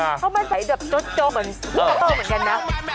เขามาใส่แบบโจ๊ะโจ๊ะเหมือนกับเบอร์เหมือนกันนะ